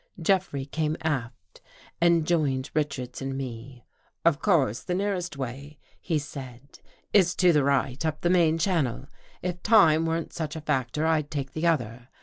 Jeffrey came aft and joined Richards and me. " Of course, the nearest way," he said, " is to the 276 WHAT WE SAW IN THE CAVE right, up the main channel. If time weren't such a factor, I d take the other.